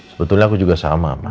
sebetulnya aku juga sama mas